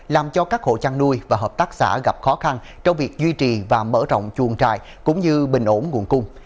làm cho các hộ chăn nuôi và hợp tác xã gặp khó khăn trong việc duy trì và mở rộng chuồng trại cũng như bình ổn nguồn cung